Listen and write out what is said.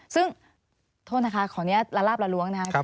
ซึ่งโทษนะคะขออนุญาตละลาบละล้วงนะครับ